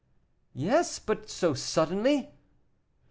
"Yes; but so suddenly."